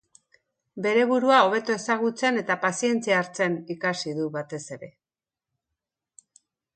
Bere burua hobeto ezagutzen eta pazientza hartzen ikasi du batez ere.